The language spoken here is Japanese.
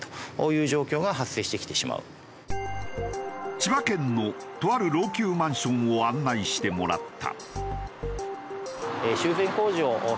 千葉県のとある老朽マンションを案内してもらった。